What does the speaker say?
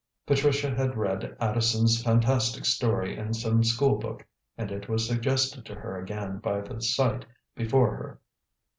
Patricia had read Addison's fantastic story in some school book, and it was suggested to her again by the sight before her.